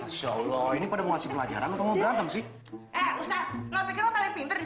psioloh ini pada mau ngajar ja nus